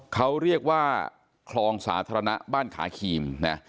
เขาเรียกว่าคลองสาธารณะบ้านขาครีมนะ